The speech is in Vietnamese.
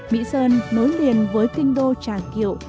mỹ sơn nối liền với kinh đô trà kiệu